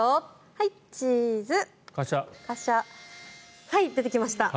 はい、チーズ！出てきました。